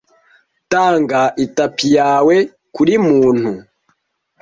Tanga itapi yawe kuri muntu.